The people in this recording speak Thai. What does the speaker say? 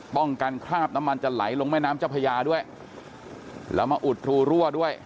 คราบน้ำมันจะไหลลงแม่น้ำเจ้าพญาด้วยแล้วมาอุดรูรั่วด้วย